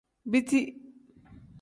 Biti.